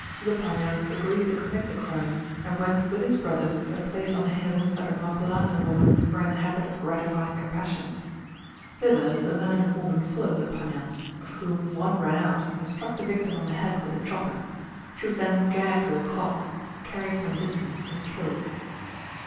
The Paniyan agreed to commit the crime, and went with his brothers to a place on a hill, where the Mappilla and the woman were in the habit of gratifying their passions. Thither the man and woman followed the Paniyans, of whom one ran out, and struck the victim on the head with a chopper. She was then gagged with a cloth, carried some distance, and killed.